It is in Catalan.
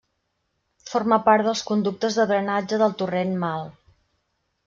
Forma part dels conductes de drenatge del torrent Mal.